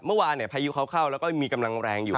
เมื่อวานพายุเขาเข้าแล้วก็มีกำลังแรงอยู่